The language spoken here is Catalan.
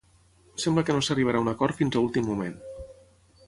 Sembla que no s'arribarà a un acord fins a últim moment.